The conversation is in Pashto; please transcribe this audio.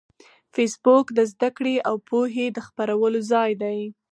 فېسبوک د زده کړې او پوهې د خپرولو ځای دی